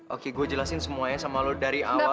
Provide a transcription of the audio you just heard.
oke gue jelasin semuanya sama lo dari awal